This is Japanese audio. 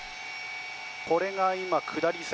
これが今、下り線。